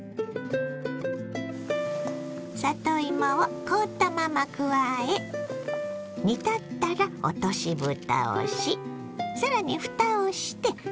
里芋を凍ったまま加え煮立ったら落としぶたをし更にふたをして１０分ほど煮ます。